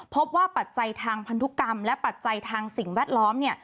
ปัจจัยทางพันธุกรรมและปัจจัยทางสิ่งแวดล้อมเนี่ย